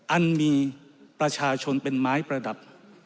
อันมีประชาชนเป็นไม้ประดับ